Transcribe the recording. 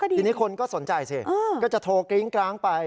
ทีนี้คนก็สนใจสิก็จะโทรกริ้งกร้างไป